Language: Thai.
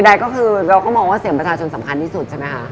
ใดก็คือเราก็มองว่าเสียงประชาชนสำคัญที่สุดใช่ไหมคะ